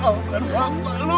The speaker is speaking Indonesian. maafkan bapak lu